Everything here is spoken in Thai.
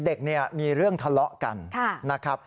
เด็กเนี่ยมีเรื่องทะเลาะกันนะครับ